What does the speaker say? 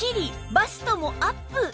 バストもアップ！